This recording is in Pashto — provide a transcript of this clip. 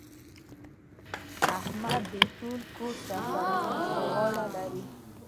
احمد د ټول کور سرپرستي پر غاړه لري.